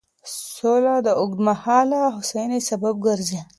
سوله د اوږدمهاله هوساینې سبب ګرځي.